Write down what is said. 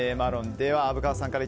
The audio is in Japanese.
では虻川さんから。